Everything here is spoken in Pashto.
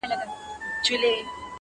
زه هوسۍ له لوړو څوکو پرزومه٫